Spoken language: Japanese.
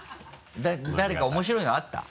誰か面白いのあった？